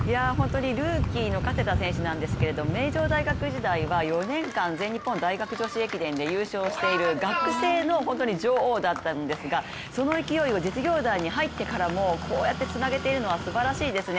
ルーキーの加世田選手なんですけど、名城大学時代は４年間全日本大学女子駅伝で優勝している学生の女王だったんですが、その勢いを実業団に入ってからも続けているのはすばらしいですね